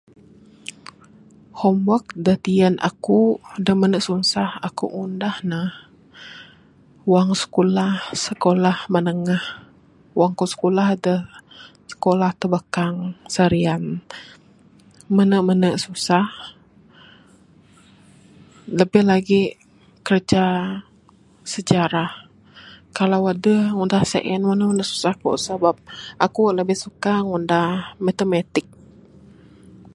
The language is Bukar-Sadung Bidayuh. Homework da tiyan aku da mene susah aku ngunah ne wang sikulah sekolah menengah...Wang ku sikulah da sekolah Tebekang, Serian. Mene-mene susah...lebih lagik kiraja sejarah. Klau adeh ngunah sien wang ne mene-mene susah ku sabab aku lebih suka ngunah matematik.